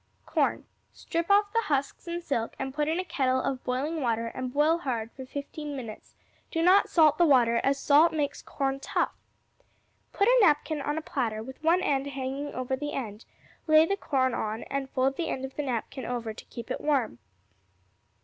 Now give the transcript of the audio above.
Corn Strip off the husks and silk, and put in a kettle of boiling water and boil hard for fifteen minutes; do not salt the water, as salt makes corn tough. Put a napkin on a platter with one end hanging over the end; lay the corn on and fold the end of the napkin over to keep it warm.